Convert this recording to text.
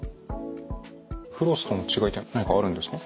フロスとの違いっていうのは何かあるんですか？